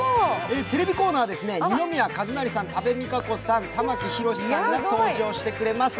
テレビコーナーは二宮和也さん、多部未華子さん、玉木宏さんが登場してくれます。